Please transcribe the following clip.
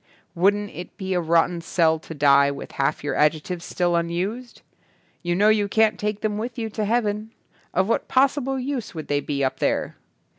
Wouldn't it be a rot ten sell to die with half your adjec tives still unused? You know you can't take them with you to heaven. Of what possible use would they be up there?